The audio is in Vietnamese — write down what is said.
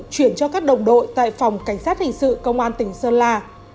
chuyển cho các đồng đội tại phòng cảnh sát hình sự công an tỉnh sơn la